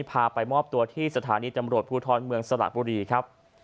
พาไปมอบตัวที่สถานีตำรวจภูทรเมืองสระบุรีครับ